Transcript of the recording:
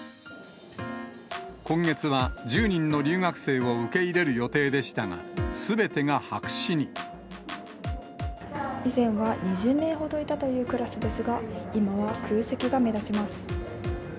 今月は１０人の留学生を受け入れる予定でしたが、以前は２０名ほどいたというクラスですが、今は空席が目立ちます。